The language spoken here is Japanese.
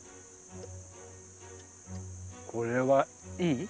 これは。いい？